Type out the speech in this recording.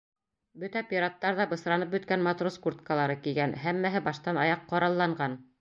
Бөтә пираттар ҙа бысранып бөткән матрос курткалары кейгән, һәммәһе баштан аяҡ ҡоралланған.